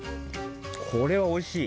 これはおいしい。